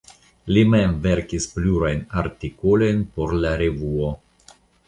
Li mem verkis plurajn artikolojn por la revuo.